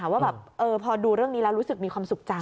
ว่าพอดูเรื่องนี้แล้วรู้สึกมีความสุขจัง